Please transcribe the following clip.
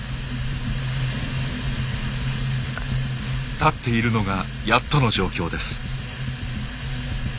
立っているのがやっとの状況です。